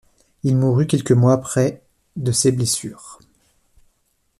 Il mourut quelques mois après de ses blessures.